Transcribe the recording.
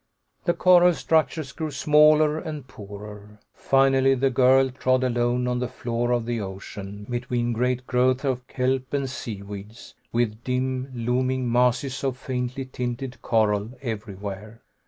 The coral structures grew smaller and poorer. Finally the girl trod alone on the floor of the ocean, between great growths of kelp and seaweeds, with dim, looming masses of faintly tinted coral everywhere.